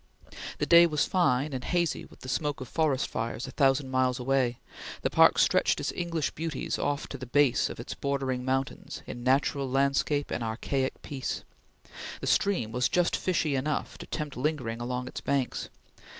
The day was fine, and hazy with the smoke of forest fires a thousand miles away; the park stretched its English beauties off to the base of its bordering mountains in natural landscape and archaic peace; the stream was just fishy enough to tempt lingering along its banks.